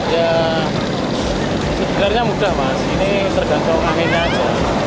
ya digelarnya mudah mas ini terganggu angin aja